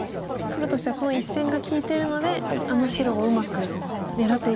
黒としてはこの１線が利いてるのであの白をうまく狙っていけるかと。